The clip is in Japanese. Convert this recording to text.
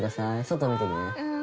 外見ててね。